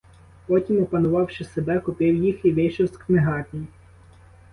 Потім, опанувавши себе, купив їх і вийшов з книгарні.